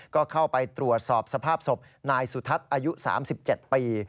ก็เข้าไปตรวจสอบสภาพศพนายสุทัศน์อายุ๓๗ปี